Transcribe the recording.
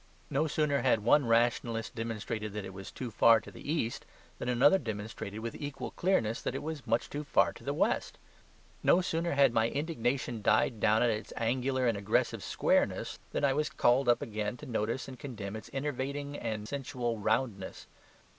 No sooner had one rationalist demonstrated that it was too far to the east than another demonstrated with equal clearness that it was much too far to the west. No sooner had my indignation died down at its angular and aggressive squareness than I was called up again to notice and condemn its enervating and sensual roundness.